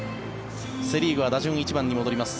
セ・リーグは打順、１番に戻ります。